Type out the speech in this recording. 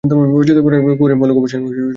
কুকুরের মল গবেষণায় অনেক এগিয়ে গেছে।